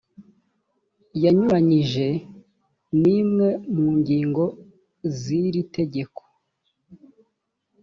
yanyuranyije n imwe mu ngingo z iri tegeko